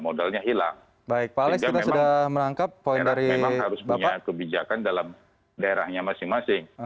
modalnya hilang jadi memang harus punya kebijakan dalam daerahnya masing masing